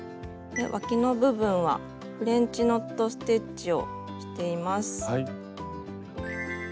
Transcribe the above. わきの部分はフレンチノット・ステッチをしています。